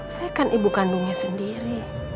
saya kan ibu kandungnya sendiri